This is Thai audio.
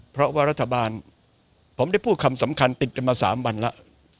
เพราะว่ารัฐบาลผมได้พูดคำสำคัญติดกันมา๓วันแล้ว